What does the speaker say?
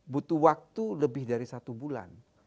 butuh waktu lebih dari satu bulan